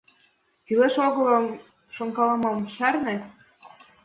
— Кӱлеш-огылым шонкалымым чарне.